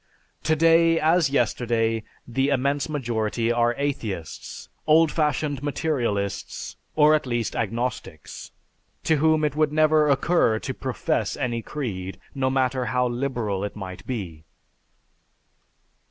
"Today as yesterday the immense majority are atheists, old fashioned materialists, or at least agnostics, to whom it would never occur to profess any creed, no matter how liberal it might be."